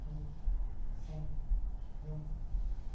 ２３４。